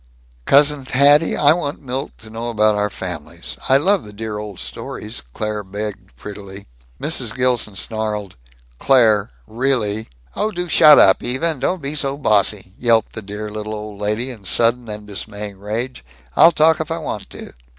"Cousin Hatty, I want Milt to know about our families. I love the dear old stories," Claire begged prettily. Mrs. Gilson snarled. "Claire, really " "Oh, do shut up, Eva, and don't be so bossy!" yelped the dear little old lady, in sudden and dismaying rage. "I'll talk if I want to.